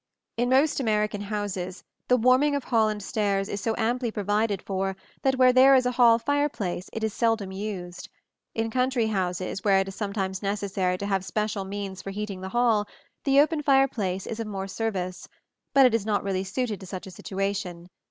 In most American houses, the warming of hall and stairs is so amply provided for that where there is a hall fireplace it is seldom used. In country houses, where it is sometimes necessary to have special means for heating the hall, the open fireplace is of more service; but it is not really suited to such a situation.